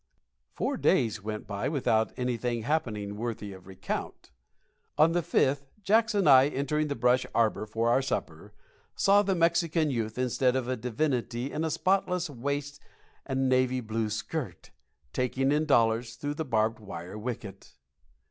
Four days went by without anything happening worthy of recount. On the fifth, Jacks and I, entering the brush arbor for our supper, saw the Mexican youth, instead of a divinity in a spotless waist and a navy blue skirt, taking in the dollars through the barbed wire wicket.